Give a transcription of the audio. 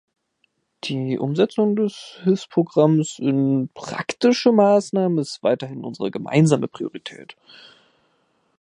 Die Umsetzung des Hilfsprogramms in praktische Maßnahmen ist weiterhin unsere gemeinsame Priorität.